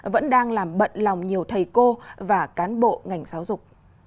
vẫn đang làm bận lòng nhiều thầy cô và cán bộ ngành giáo dục